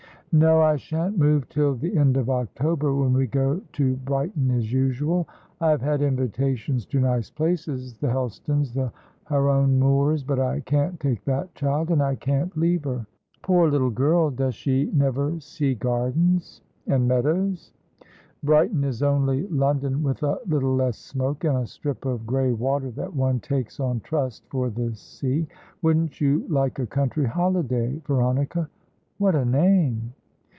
"No, I shan't move till the end of October, when we go to Brighton, as usual. I have had invitations to nice places, the Helstons, the Heronmoors; but I can't take that child, and I can't leave her." "Poor little girl. Does she never see gardens and meadows? Brighton is only London with a little less smoke, and a strip of grey water that one takes on trust for the sea. Wouldn't you like a country holiday, Veronica? What a name!"